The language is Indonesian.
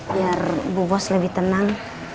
biar bu bos lebih tenang